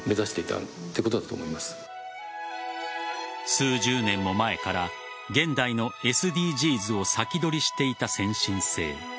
数十年も前から現代のＳＤＧｓを先取りしていた先進性。